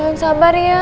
rin sabar ya